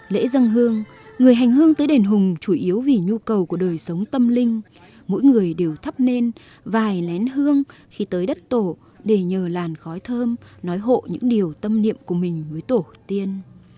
lễ dân hương người hành hương tới đền hùng chủ yếu vì nhu cầu của đời sống tâm linh mỗi người đều thắp nên vài lén hương khi tới đất tổ để nhờ làn khói thơm nói hộ những điều tâm niệm của mình với tổ tiên